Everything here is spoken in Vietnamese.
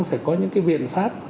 phải có những cái biện pháp